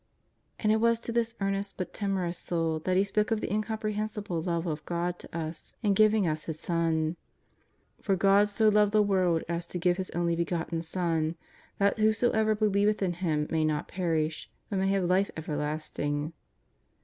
And it was to this earnest but timorous soul that He spoke of the incomprehensible love of God to us in giving us His Son :" For God so loved the world as to give His Only Begotten Son that whosoever believeth in Him may not perish, but may have Life Everlasting."